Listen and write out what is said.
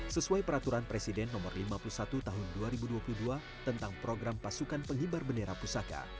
sesuai peraturan presiden no lima puluh satu tahun dua ribu dua puluh dua tentang program pasukan penghibar bendera pusaka